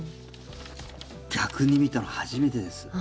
地図を逆に見たの初めてです。